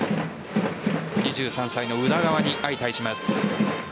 ２３歳の宇田川に相対します。